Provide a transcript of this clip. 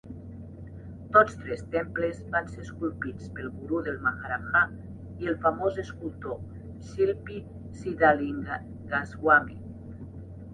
Tots tres temples van ser esculpits pel gurú del maharajà i el famós escultor Shilpi Siddalingaswamy.